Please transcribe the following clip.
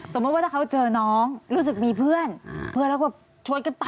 สมมุติว่าถ้าเขาเจอน้องรู้สึกมีเพื่อนเพื่อนแล้วก็ชวนกันไป